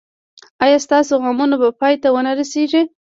ایا ستاسو غمونه به پای ته و نه رسیږي؟